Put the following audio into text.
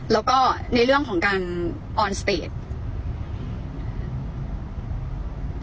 แล้วก็ในเรื่องของการออนสเตจ